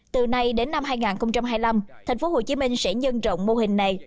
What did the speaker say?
từ nay đến năm hai nghìn hai mươi năm thành phố hồ chí minh sẽ nhân rộng mô hình này